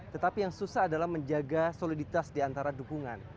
tetapi yang susah adalah menjaga soliditas di antara dukungan